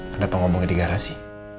kenapa ngomongnya di garasi